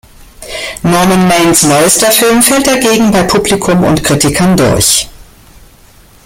Norman Maines neuester Film fällt dagegen bei Publikum und Kritikern durch.